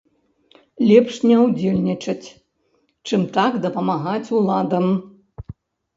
Лепш не ўдзельнічаць, чым так дапамагаць уладам.